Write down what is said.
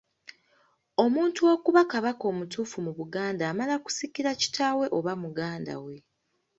Omuntu okuba Kabaka omutuufu mu Buganda amala kusikira kitaawe oba muganda we.